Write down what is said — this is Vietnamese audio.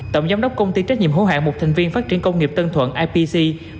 tổng giám đốc công ty trách nhiệm hố hạng mục thành viên phát triển công nghiệp tân thuận ipc